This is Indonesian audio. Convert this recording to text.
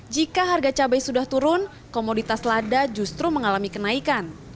jika harga cabai sudah turun komoditas lada justru mengalami kenaikan